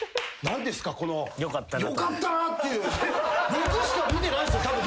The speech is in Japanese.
僕しか見てないっすよたぶん。